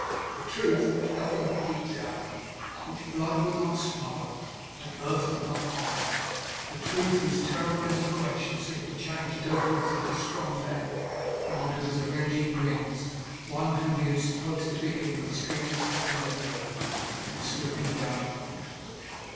The truth, which nothing would keep down; which blood would not smother, and earth would not hide; the truth, whose terrible inspiration seemed to change dotards into strong men; and on whose avenging wings, one whom he had supposed to be at the extremest corner of the earth came swooping down upon him.